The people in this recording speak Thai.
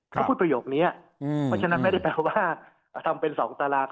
เค้าพูดประโยคนี้ฉะนั้นไม่ได้เผาว่าทำเป็น๒ตาราง